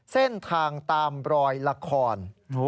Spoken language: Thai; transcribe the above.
เส้นทางตามรอยละคร